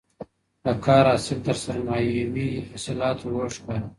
د کار حاصل تر سرمايوي حاصلاتو لوړ ښکاري.